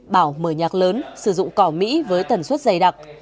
bảo mở nhạc lớn sử dụng cỏ mỹ với tần suất dày đặc